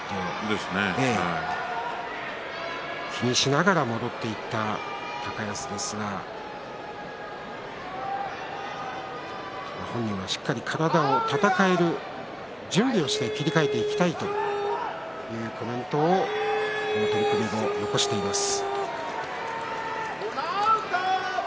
気にしながら戻っていった高安ですが本人はしっかり体を戦える準備をして切り替えていきたいというコメントを取組後に残しています。